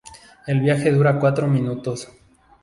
El viaje dura cuatro minutos.